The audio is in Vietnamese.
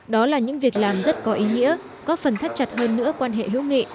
đó là những việc làm rất có ý nghĩa góp phần thắt chặt hơn nữa quan hệ hữu nghị